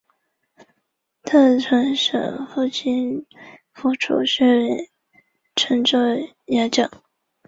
符存审父亲符楚是陈州牙将。